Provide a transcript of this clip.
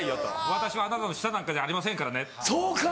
「私はあなたの下なんかじゃありませんからね」。そうか！